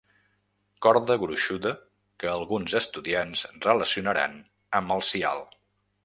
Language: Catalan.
Corda gruixuda que alguns estudiants relacionaran amb el sial.